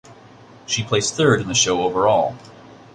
She placed third in the show overall.